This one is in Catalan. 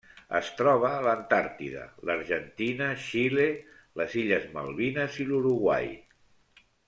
Es troba a l'Antàrtida, l'Argentina, Xile, les Illes Malvines i l'Uruguai.